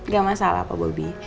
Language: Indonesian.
gak masalah pak bobi